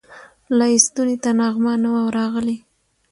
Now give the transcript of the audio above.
لا یې ستوني ته نغمه نه وه راغلې